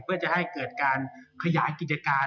เพื่อจะให้เกิดการขยายกิจการ